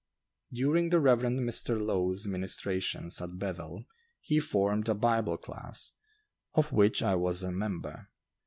During the Rev. Mr. Lowe's ministrations at Bethel, he formed a Bible class, of which I was a member.